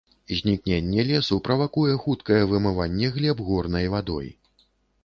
Знікненне лесу правакуе хуткае вымыванне глеб горнай вадой.